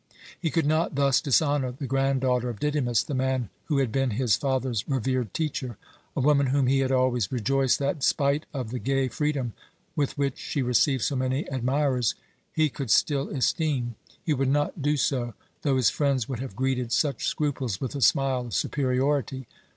He could not thus dishonor the granddaughter of Didymus, the man who had been his father's revered teacher, a woman whom he had always rejoiced that, spite of the gay freedom with which she received so many admirers, he could still esteem. He would not do so, though his friends would have greeted such scruples with a smile of superiority.